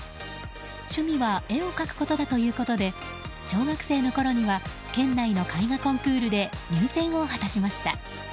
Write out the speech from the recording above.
趣味は絵を描くことだということで小学生のころには県内の絵画コンクールで入選を果たしました。